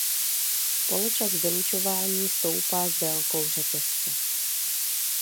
Poločas vylučování stoupá s délkou řetězce.